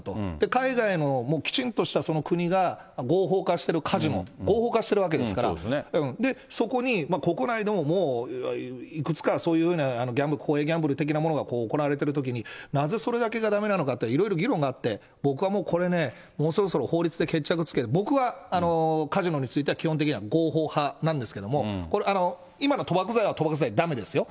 海外のきちんとした国が、合法化してるカジノ、合法化してるわけですから、そこに国内のもういくつか、そういうような公営ギャンブル的なものが行われているときに、なぜそれだけがだめなのかって、いろいろ議論があって、僕はもう、これね、もうそろそろ法律で決着つけて、僕は、カジノについては、基本的には合法派なんですけれども、これ、今の賭博罪は当然だめですよ。